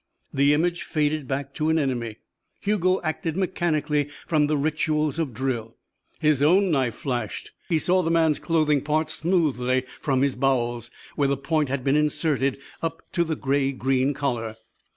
The image faded back to an enemy. Hugo acted mechanically from the rituals of drill. His own knife flashed. He saw the man's clothes part smoothly from his bowels, where the point had been inserted, up to the gray green collar.